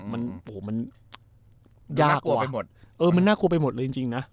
มันน่ากลัวไปหมดเลยจริงนะ